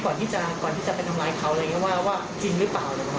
ว่าจริงหรือเปล่าหรือเปล่า